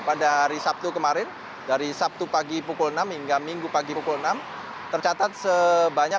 pada hari sabtu kemarin dari lintas marga sedaia jumlah ini juga tidak di prediksi pada hari ini tidak akan jauh berbeda dengan hari sebelumnya